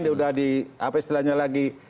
sudah di apa istilahnya lagi